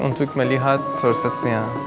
untuk melihat prosesnya